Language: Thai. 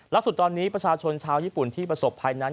สุดตอนนี้ประชาชนชาวญี่ปุ่นที่ประสบภัยนั้น